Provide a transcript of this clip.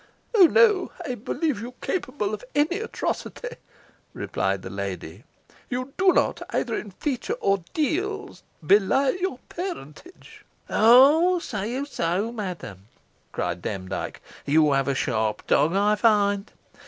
"Oh! no, I believe you capable of any atrocity," replied the lady. "You do not, either in feature or deeds, belie your parentage." "Ah! say you so, madam?" cried Demdike. "You have a sharp tongue, I find.